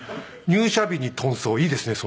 「入社日に遁走」いいですね。